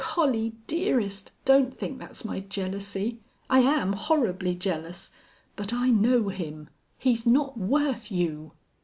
Collie dearest, don't think that's my jealousy. I am horribly jealous. But I know him. He's not worth you!